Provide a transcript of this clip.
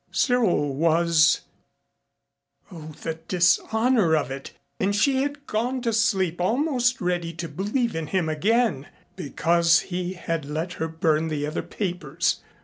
Cyril was Oh, the dishonor of it! And she had gone to sleep almost ready to believe in him again because he had let her burn the other papers.